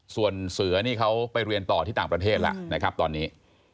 ส่วนเสือนี่เขาไปเรียนต่อที่ต่างประเทศแล้วนะครับตอนนี้